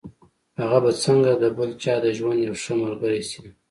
هغه به څنګه د بل چا د ژوند يوه ښه ملګرې شي.